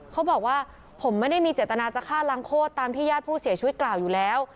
เขาบอกว่าผมไม่ได้มีเจตนาจะฆ่าล้างโคตรตามที่ญาติผู้เสียชีวิตกล่าวอยู่แล้ว